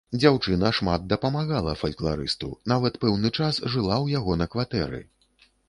Дзяўчына шмат дапамагала фалькларысту, нават пэўны час жыла ў яго на кватэры.